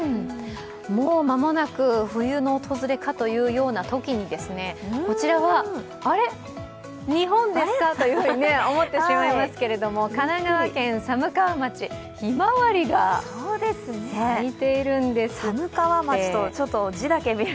もう間もなく、冬の訪れかというようなときにこちらは、日本ですか？と思ってしまいますけど神奈川県寒川町、ひまわりが咲いているんですって。